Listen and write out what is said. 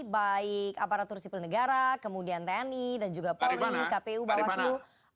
baik aparatur sipil negara kemudian tni dan juga polri kpu bawaslu